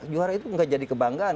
juara itu gak jadi kebanggaan